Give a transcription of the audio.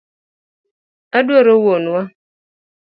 Adwaro wuon wa.